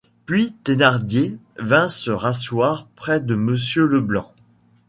Puis Thénardier vint se rasseoir près de Monsieur Leblanc.